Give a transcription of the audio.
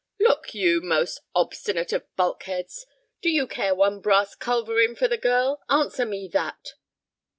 "Look you, most obstinate of bulkheads, do you care one brass culverin for the girl? Answer me that."